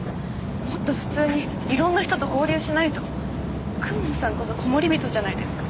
もっと普通に色んな人と交流しないと公文さんこそコモリビトじゃないですか